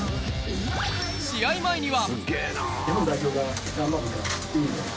試合前には。